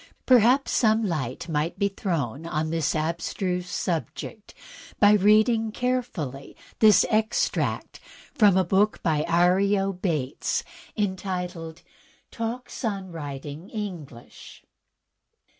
Perhaps some light may be thrown on this abstruse subject by reading carefully this extract from a book by Arlo Bates, entitled "Talks on Writing EngUsh.''